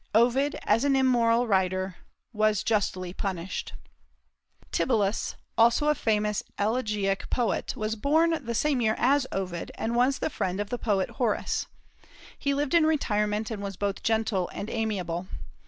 Ovid, as an immoral writer, was justly punished. Tibullus, also a famous elegiac poet, was born the same year as Ovid, and was the friend of the poet Horace. He lived in retirement, and was both gentle and amiable.